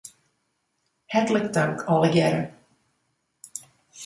Hertlik tank allegearre.